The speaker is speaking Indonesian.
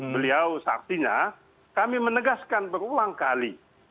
beliau saktinya kami menegaskan beruang kali